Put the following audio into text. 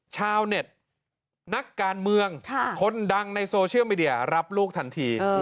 ชาวเน็ตนักการเมืองคนดังในโซเชียลมีเดียรับลูกทันที